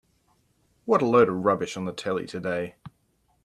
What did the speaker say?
What a load of rubbish on the telly today.